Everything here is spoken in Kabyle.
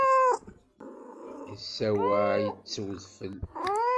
Yessaweε-itt udfel.